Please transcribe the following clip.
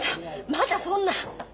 まだそんな。